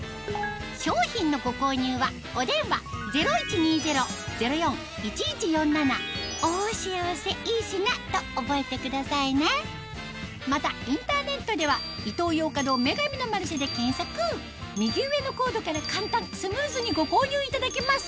商品のご購入はお電話０１２０−０４−１１４７と覚えてくださいねまたインターネットでは右上のコードから簡単スムーズにご購入いただけます